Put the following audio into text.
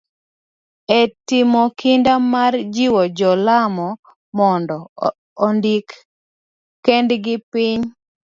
E timo kinda mar jiwo jo Lamu mondo ondik kendgi piny,